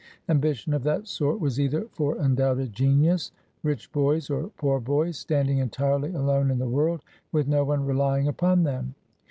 Ambition of that sort was either for undoubted genius, rich boys, or poor boys, standing entirely alone in the world, with no one relying upon them.